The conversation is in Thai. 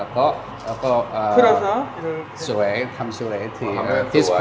แล้วก็สวยทำสวยทีดีสเปรย์